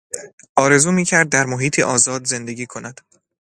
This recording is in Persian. آرزو میکرد در محیطی آزاد زندگی کند.